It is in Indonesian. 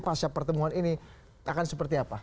pasca pertemuan ini akan seperti apa